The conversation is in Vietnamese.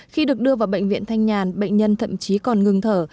khi được đưa vào bệnh viện thanh nhàn bệnh nhân thậm chí còn ngừng thở